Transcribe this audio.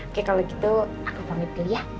oke kalau gitu aku panggil gili ya